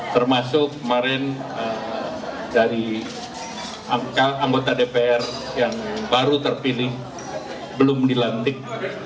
termasuk kemarin dari angka anggota dpr yang baru terpilih belum dilantik